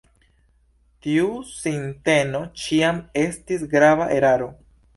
Tiu sinteno ĉiam estis grava eraro.